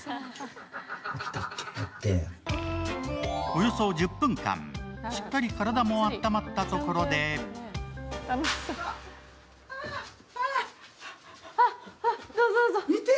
およそ１０分間、しっかりと体もあったまったところで見て！